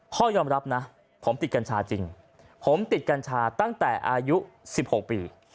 พ่อยอมรับนะผมติดกัญชาจริงผมติดกัญชาตั้งแต่อายุ๑๖ปี